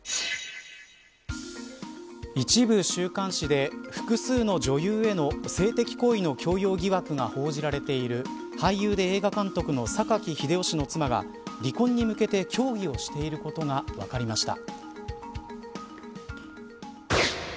一部週刊誌で複数の女優への性的行為の強要疑惑が報じられている俳優で映画監督の榊英雄氏の妻が離婚に向けて協議をしていることが分かりました。